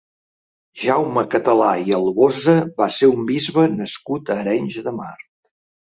Jaume Català i Albosa va ser un bisbe nascut a Arenys de Mar.